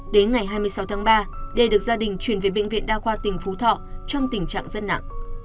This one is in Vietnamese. đến ngày hai mươi sáu tháng ba đê được gia đình chuyển về bệnh viện đa khoa tỉnh phú thọ trong tình trạng rất nặng